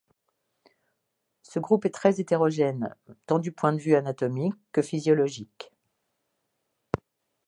Ce groupe est très hétérogène, tant du point de vue anatomique que physiologique.